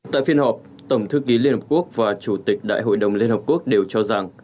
tại phiên họp tổng thư ký liên hợp quốc và chủ tịch đại hội đồng liên hợp quốc đều cho rằng